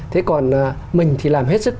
thế còn mình thì làm hết sức